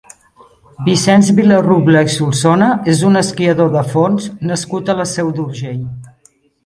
Vicenç Vilarrubla i Solsona és un esquiador de fons nascut a la Seu d'Urgell.